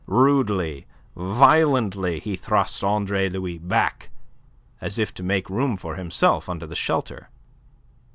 Rudely, violently, he thrust Andre Louis back, as if to make room for himself under the shelter.